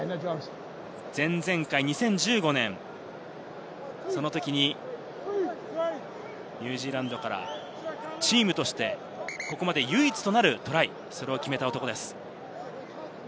前々回、２０１５年、そのときにニュージーランドからチームとしてここまで唯一となるトライを決めた男です。